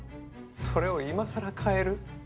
それを今更変える？